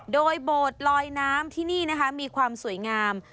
โดยโบสถ์ลอยน้ำที่นี่นะคะมีความสวยงาม